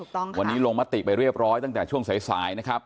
วันนี้ลงมติไปเรียบร้อยตั้งแต่ช่วงสายนะครับ